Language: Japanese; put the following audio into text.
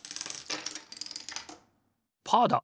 パーだ！